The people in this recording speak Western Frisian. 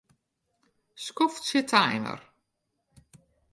Skoftsje timer.